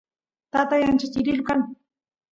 tatay ancha chirilu kan